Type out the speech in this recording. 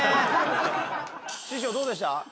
師匠どうでした？